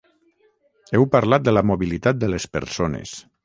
Heu parlat de la mobilitat de les persones.